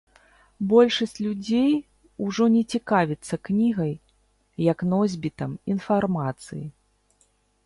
Большасць людзей ужо не цікавіцца кнігай як носьбітам інфармацыі.